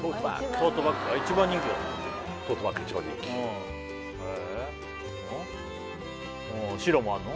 トートバッグが１番人気なんだってトートバッグ１番人気白もあんの？